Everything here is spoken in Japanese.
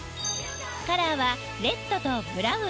カラーはレッドとブラウン。